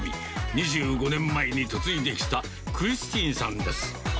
２５年前に嫁いできたクリスティンさんです。